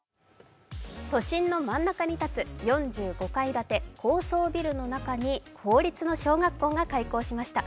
都心の真ん中に建つ４５階建て高層ビルの中に公立の小学校が開校しました。